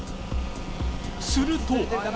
すると